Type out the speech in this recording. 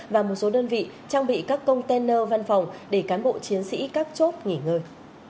và một số đơn vị trang bị các container văn phòng để cán bộ chiến sĩ các chốt nghỉ ngơi